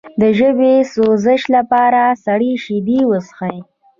د ژبې د سوزش لپاره سړې شیدې وڅښئ